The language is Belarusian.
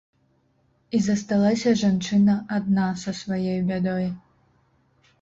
І засталася жанчына адна са сваёй бядой.